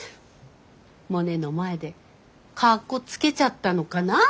モネの前でかっこつけちゃったのかな？